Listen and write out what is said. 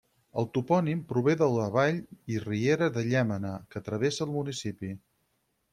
El topònim prové de la vall i riera de Llémena, que travessa el municipi.